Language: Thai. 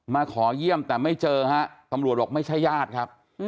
ขอเยี่ยมแต่ไม่เจอฮะตำรวจบอกไม่ใช่ญาติครับ